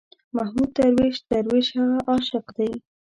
محمود درویش، درویش هغه عاشق دی.